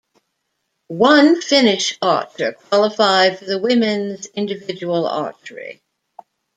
One Finnish archer qualified for the women's individual archery.